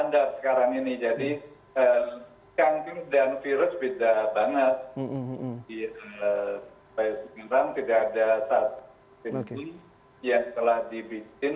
ya kanker pada beberapa penelitian